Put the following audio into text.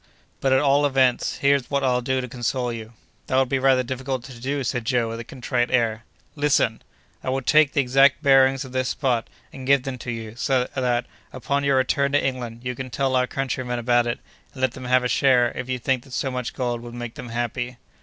but at all events, here's what I'll do to console you." "That would be rather difficult to do!" said Joe, with a contrite air. "Listen! I will take the exact bearings of this spot, and give them to you, so that, upon your return to England, you can tell our countrymen about it, and let them have a share, if you think that so much gold would make them happy."